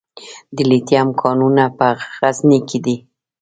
د لیتیم کانونه په غزني کې دي